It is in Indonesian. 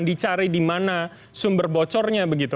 dicari di mana sumber bocornya begitu